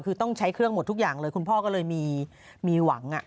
คือต้องใช้เครื่องหมดทุกอย่างเลยคุณพ่อก็เลยมีหวัง